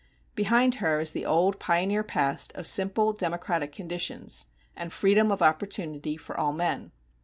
Behind her is the old pioneer past of simple democratic conditions, and freedom of opportunity for all men.